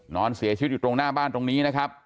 นอนเสียชีวิตอยู่ตรงหน้าบ้านตรงนี้นะครับ